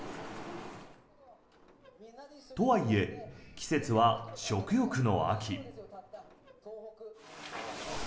とはいえ、季節は食欲の秋。